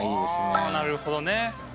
あぁなるほどね。